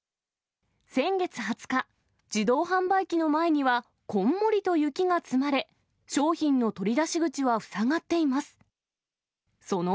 先月２０日、自動販売機の前にはこんもりと雪が積まれ、商品の取り出し口は塞がっています。